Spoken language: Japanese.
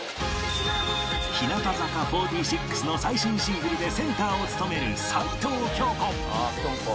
日向坂４６の最新シングルでセンターを務める齊藤京子